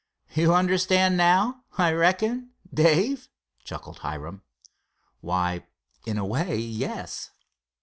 "You understand now, I reckon, Dave?" chuckled Hiram. "Why, in a way, yes."